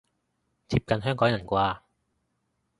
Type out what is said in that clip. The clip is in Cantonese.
貼近香港人啩